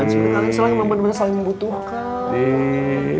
sebenarnya kamu selalu benar benar saling membutuhkan